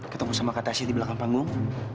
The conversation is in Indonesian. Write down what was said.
ketemu sama kata saya di belakang panggung